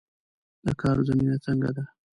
د کار زمینه څنګه ده؟